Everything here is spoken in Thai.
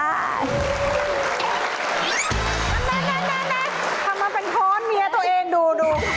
นั่นทำมาเป็นข้อนเมียตัวเองดู